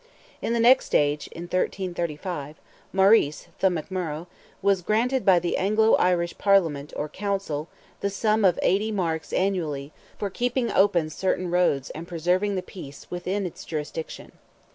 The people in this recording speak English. In the next age, in 1335, Maurice, "the McMurrogh," was granted by the Anglo Irish Parliament or Council, the sum of 80 marks annually, for keeping open certain roads and preserving the peace within its jurisdiction.